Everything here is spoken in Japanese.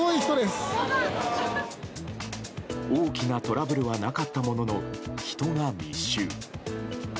大きなトラブルはなかったものの人が密集。